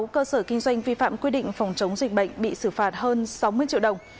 sáu cơ sở kinh doanh vi phạm quy định phòng chống dịch bệnh bị xử phạt hơn sáu mươi triệu đồng